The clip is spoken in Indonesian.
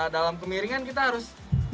dalam kemiringan kita harus